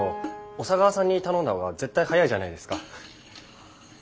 小佐川さんに頼んだほうが絶対早いじゃないですか。